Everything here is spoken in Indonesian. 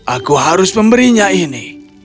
aku harus memberinya ini